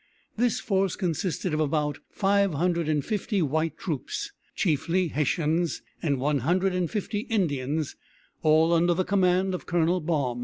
This force consisted of about five hundred and fifty white troops, chiefly Hessians, and one hundred and fifty Indians, all under the command of Colonel Baum.